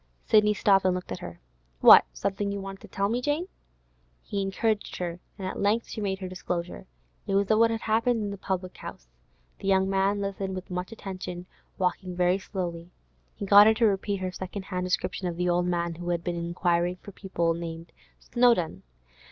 Sidney stopped and looked at her. 'What? Something you wanted to tell me, Jane?' He encouraged her, and at length she made her disclosure. It was of what had happened in the public house. The young man listened with much attention, walking very slowly. He got her to repeat her second hand description of the old man who had been inquiring for people named Snowdon.